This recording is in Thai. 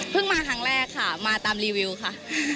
มาครั้งแรกค่ะมาตามรีวิวค่ะ